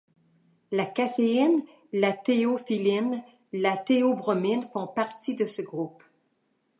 La caféine, la théophylline, la théobromine font partie de ce groupe.